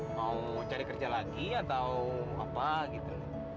mau cari kerja lagi atau apa gitu